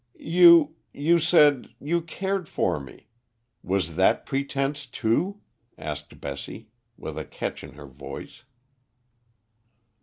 "You you said you cared for me. Was that pretence too?" asked Bessie, with a catch in her voice.